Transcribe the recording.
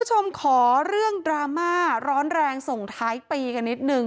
คุณผู้ชมขอเรื่องดราม่าร้อนแรงส่งท้ายปีกันนิดนึง